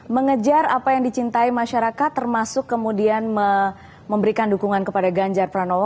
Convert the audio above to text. mengejar apa yang dicintai masyarakat termasuk kemudian memberikan dukungan kepada ganjar pranowo